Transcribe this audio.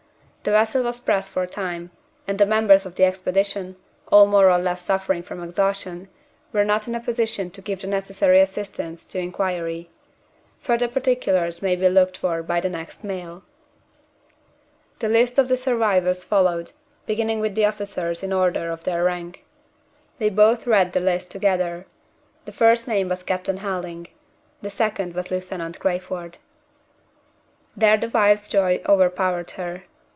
The vessel was pressed for time; and the members of the Expedition, all more or less suffering from exhaustion, were not in a position to give the necessary assistance to inquiry. Further particulars may be looked for by the next mail." The list of the survivors followed, beginning with the officers in the order of their rank. They both read the list together. The first name was Captain Helding; the second was Lieutenant Crayford. There the wife's joy overpowered her.